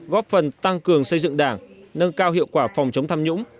góp phần tăng cường xây dựng đảng nâng cao hiệu quả phòng chống tham nhũng